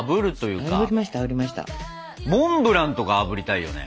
モンブランとかあぶりたいよね。